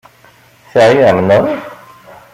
Teɛyam, naɣ?